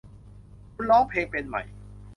คุณร้องเพลงเป็นไหม